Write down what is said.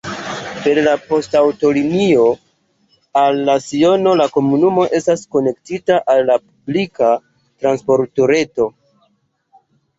Pere de poŝtaŭtolinio al Siono la komunumo estas konektita al la publika transportreto.